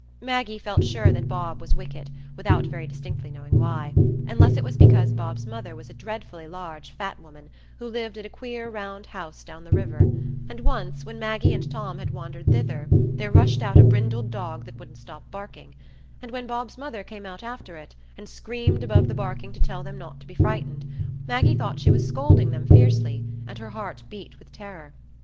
Maggie felt sure that Bob was wicked, without very distinctly knowing why; unless it was because Bob's mother was a dreadfully large fat woman, who lived at a queer round house down the river; and once, when Maggie and Tom had wandered thither, there rushed out a brindled dog that wouldn't stop barking; and when Bob's mother came out after it, and screamed above the barking to tell them not to be frightened, Maggie thought she was scolding them fiercely, and her heart beat with terror.